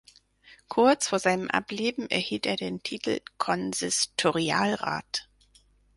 Kurz vor seinem Ableben erhielt er den Titel Konsistorialrat.